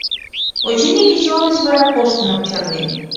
Очыни, кечывал деч вара коштмым чарнен.